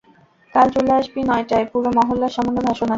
কাল চলে আসবি নয়টায়, পুরো মহল্লার সামনে ভাষণ আছে।